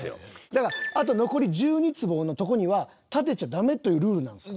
だからあと残り１２坪のとこには建てちゃダメというルールなんですか？